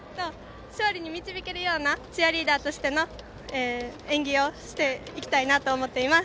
勝利に導けるようなチアリーダーとしての演技をしていきたいと思います。